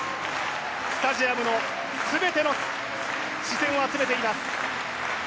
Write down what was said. スタジアムの全ての視線を集めています。